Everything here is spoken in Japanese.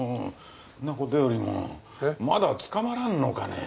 そんな事よりもまだ捕まらんのかね？